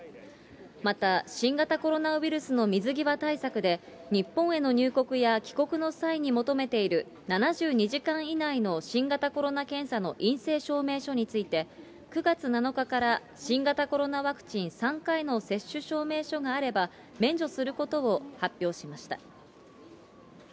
また、新型コロナウイルスの水際対策で、日本への入国や帰国の際に求めている７２時間以内の新型コロナ検査の陰性証明書について、９月７日から新型コロナワクチン３回の接種証明書があれば、免除することを発表しました。